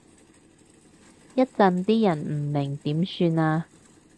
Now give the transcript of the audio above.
一陣啲人唔明點算啊？